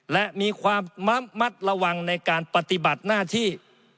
และมีความมัดระวังในการปฏิบัติหน้าที่